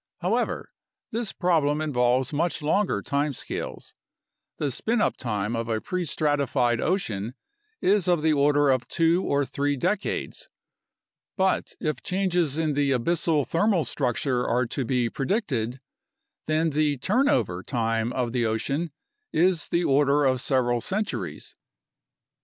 However, this problem involves much longer time scales — the spin up time of a prestratified ocean is of the order of two or three decades; but if changes in the abyssal thermal structure are to be predicted, then the "turnover" time of the A NATIONAL CLIMATIC RESEARCH PROGRAM 83 ocean is the order of several centuries.